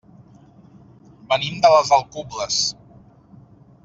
Venim de les Alcubles.